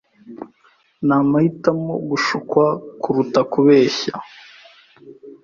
Nahitamo gushukwa kuruta kubeshya.